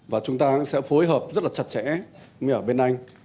và chúng ta sẽ phối hợp rất là chặt chẽ với ở bên anh